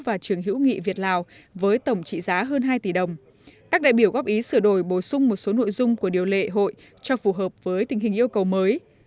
và trường hữu nghị việt lào với tổng trị giá hơn hai tỷ đồng các đại biểu góp ý sửa đổi bổ sung một số nội dung của điều lệ hội cho phù hợp với tình hình yêu cầu mới